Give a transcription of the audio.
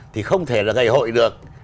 thì không thể là ngày hội được